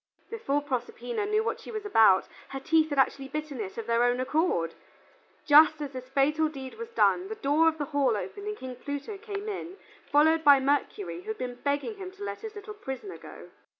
Before Proserpina knew what she was about, her teeth had actually bitten it of their own accord. Just as this fatal deed was done, the door of the hall opened and King Pluto came in, followed by Mercury, who had been begging him to let his little prisoner go.